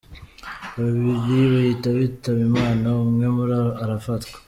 Babiri bahita bitaba Imana umwe muri arafatwa.